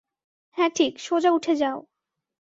হ্যাঁ ঠিক - সোজা উঠে যাও।